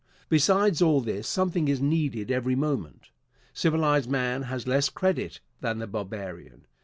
Besides all this, something is needed every moment. Civilized man has less credit than the barbarian.